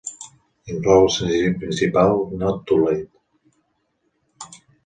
Inclou el senzill principal "Not Too Late".